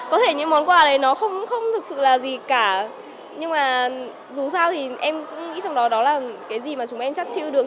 có thể những món quà này nó không thực sự là gì cả nhưng mà dù ra thì em cũng nghĩ trong đó đó là cái gì mà chúng em chắc chiêu được